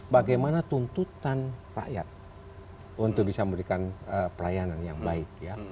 bagaimana tuntutan rakyat untuk bisa memberikan pelayanan yang baik